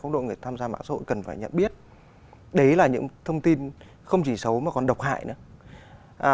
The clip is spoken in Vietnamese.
đó là những thông tin không chỉ xấu mà còn độc hại nữa